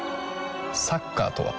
サッカーとは？